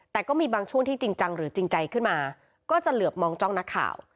แต่ก็มีบางช่วงที่จริงจังหรือจริงใจขึ้นมาก็จะเหลือบมองจ้องนักข่าว